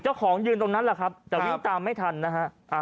ยืนตรงนั้นแหละครับแต่วิ่งตามไม่ทันนะฮะ